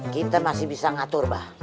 kita masih bisa ngatur mbak